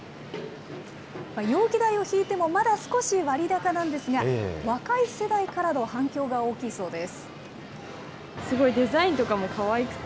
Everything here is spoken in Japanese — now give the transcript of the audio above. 容器代を引いてもまだ少し割高なんですが、若い世代からの反響が大きいそうです。